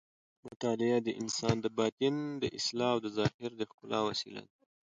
مطالعه د انسان د باطن د اصلاح او د ظاهر د ښکلا وسیله ده.